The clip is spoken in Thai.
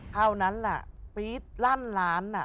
ทหัวงั้นล่ะฟีสลั่นร้านนะ